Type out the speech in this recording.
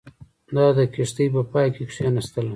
دا د کښتۍ په پای کې کښېناستله.